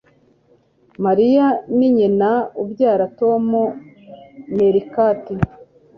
Mariya ni nyina ubyara Tom meerkat